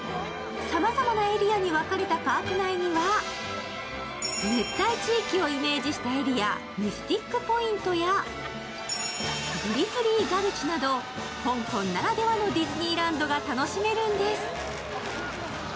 さまざまなエリアに分かれたパーク内には熱帯地域をイメージしたエリアミスティックポイントやグリズリーガルチなど、香港ならではのディズニーランドが楽しめるんです。